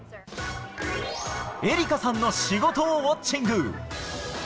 エリカさんの仕事をウォッチング。